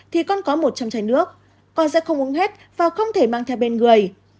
thì con có một trăm linh chai nước con sẽ không uống hết và không thể mang theo bên người